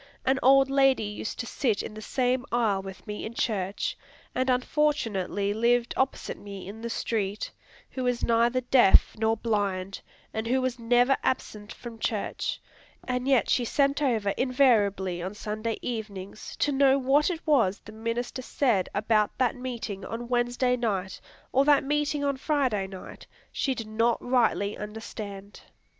An old lady used to sit in the same aisle with me in church, and unfortunately lived opposite me in the street, who was neither deaf nor blind, and who was never absent from church, and yet she sent over invariably on Sunday evenings to know what it was the minister said about that meeting on Wednesday night, or that meeting on Friday night, she did not rightly understand!